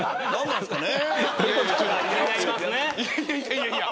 いやいや。